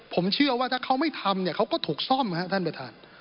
ผมเชื่อว่าถ้าเขาไม่ทำเนี่ยเขาก็ถูกซ่อมครับท่านประธาน